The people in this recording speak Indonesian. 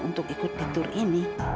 untuk ikut di tur ini